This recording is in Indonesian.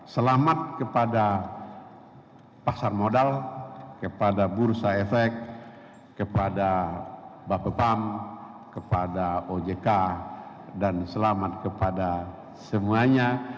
selamat kepada pasar modal kepada bursa efek kepada bapak pam kepada ojk dan selamat kepada semuanya